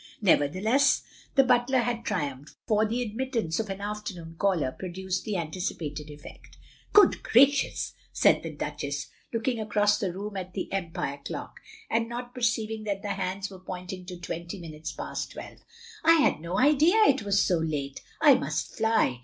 Nevertheless, the butler had triumphed, for the admittance of an afternoon caller produced the anticipated effect. Good gracious," said the Duchess, looking across the room at the Empire clock, and not perceiving that the hands were pointing to twenty OF GROSVENOR SQUARE 97 minutes past twelve, "I had no idea it was so late. I mtist fly.